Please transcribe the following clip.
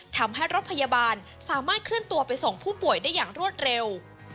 ทำให้รถพยาบาลสามารถเคลื่อนตัวไปส่งผู้ป่วยได้อย่างรวดเร็ว